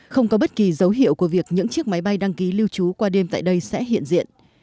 không có bất kỳ dấu hiệu của việc những chiếc máy bay đăng ký lưu trú qua đêm tại đây sẽ hiện diện